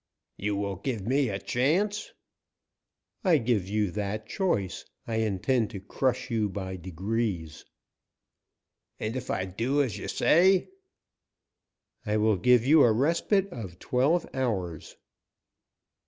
"You will give me a chance?" "I give you that choice. I intend to crush you by degrees." "And if I do as you say " "I will give you a respite of twelve hours."